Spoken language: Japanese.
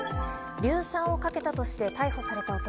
硫酸をかけたとして逮捕された男。